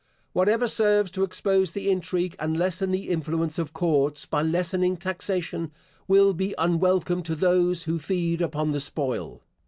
Whatever serves to expose the intrigue and lessen the influence of courts, by lessening taxation, will be unwelcome to those who feed upon the spoil.